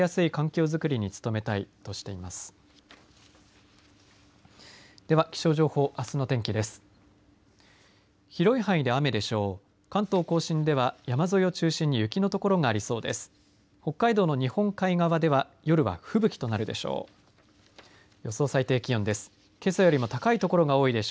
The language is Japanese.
関東甲信では山沿いを中心に雪の所がありそうです。